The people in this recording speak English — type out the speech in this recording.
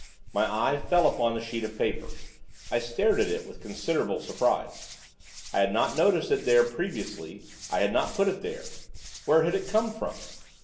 My eye fell upon the sheet of paper. I stared at it with considerable surprise. I had not noticed it there previously, I had not put it there, where had it come from?